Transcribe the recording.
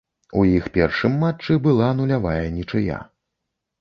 У іх першым матчы была нулявая нічыя.